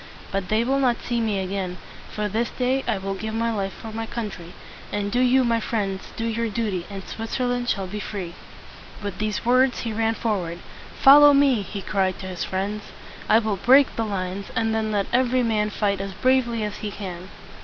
But they will not see me again, for this day I will give my life for my country. And do you, my friends, do your duty, and Switzerland shall be free." With these words he ran forward. "Follow me!" he cried to his friends. "I will break the lines, and then let every man fight as bravely as he can."